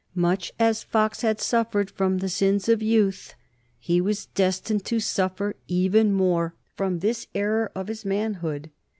Much as Fox had suffered from the sins of youth, he was destined to suffer even more from this error of his manhood.